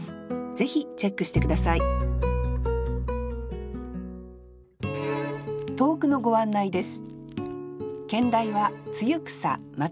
ぜひチェックして下さい投句のご案内です